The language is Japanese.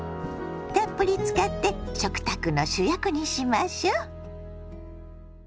たっぷり使って食卓の主役にしましょ。